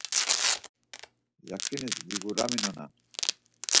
Yakinis viguraminonan.